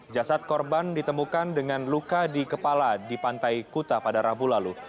jasad korban ditemukan dengan luka di kepala di pantai kuta pada rabu lalu